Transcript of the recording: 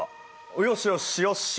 よしよしよっしゃ！